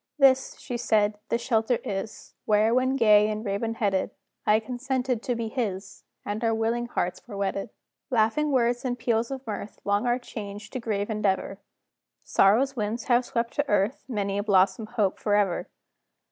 "This," she said, "the shelter is, Where, when gay and raven headed, I consented to be his, And our willing hearts were wedded. "Laughing words and peals of mirth, Long are changed to grave endeavor; Sorrow's winds have swept to earth Many a blossomed hope forever.